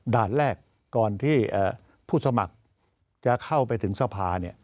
ด่านแรกก่อนที่ผู้สมัครจะเข้าไปถึงสภา